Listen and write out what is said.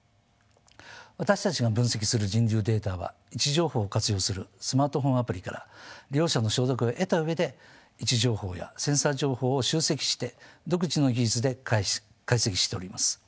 私たちが分析する人流データは位置情報を活用するスマートフォンアプリから利用者の承諾を得た上で位置情報やセンサー情報を集積して独自の技術で解析しております。